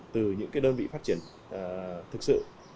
từ những đơn vị phát triển thực sự